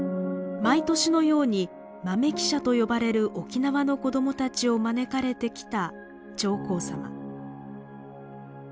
毎年のように豆記者と呼ばれる沖縄の子どもたちを招かれてきた上皇さま。